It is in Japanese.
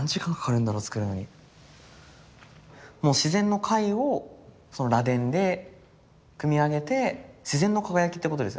もう自然の貝を螺鈿で組み上げて自然の輝きってことですよね。